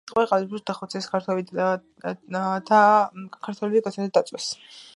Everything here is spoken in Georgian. ტყვე ყიზილბაშები დახოცეს, ქართველები კოცონზე დაწვეს.